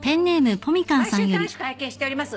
「毎週楽しく拝見しております」